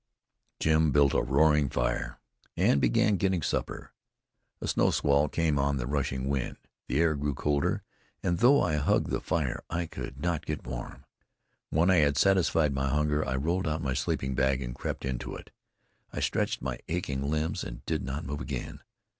Jim built a roaring fire and began getting supper. A snow squall came on the rushing wind. The air grew colder, and though I hugged the fire, I could not get warm. When I had satisfied my hunger, I rolled out my sleeping bag and crept into it. I stretched my aching limbs and did not move again.